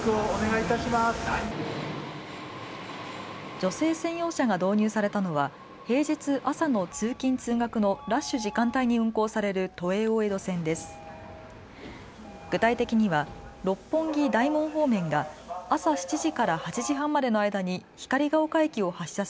女性専用車が導入されたのは平日朝の通勤通学のラッシュ時間帯に運行される都営大江戸線です。